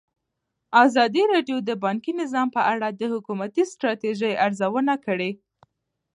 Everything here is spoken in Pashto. ازادي راډیو د بانکي نظام په اړه د حکومتي ستراتیژۍ ارزونه کړې.